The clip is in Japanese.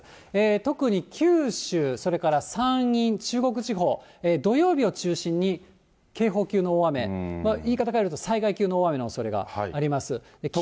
特に九州、それから山陰、中国地方、土曜日を中心に警報級の大雨、言い方変えると、災害級の大雨のおそれがあります。